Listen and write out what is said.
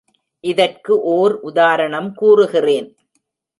இதற்கு ஓர் உதாரணம் கூறுகிறேன்.